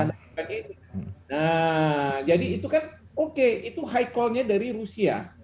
nah jadi itu kan oke itu keinginannya dari rusia